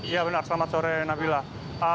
ya benar selamat sore nabilah